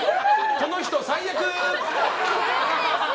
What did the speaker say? この人、最悪！